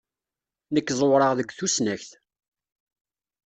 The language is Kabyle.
Nekk ẓewreɣ deg tusnakt.